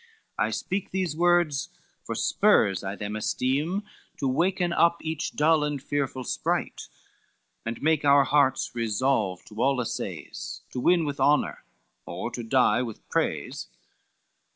I speak these words, for spurs I them esteem To waken up each dull and fearful sprite, And make our hearts resolved to all assays, To win with honor, or to die with praise."